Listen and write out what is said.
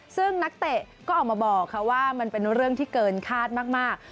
ซึ่งนักเตะก็ออกมาบอกว่ามันเป็นเรื่องที่เกินคาดมาก